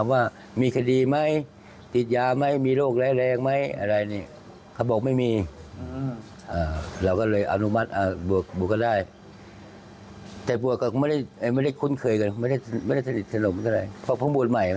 คนว่าวัดใหม่ทางจังหวัดก็ไม่รู้นิสัยเหมือนกันใช่ไหม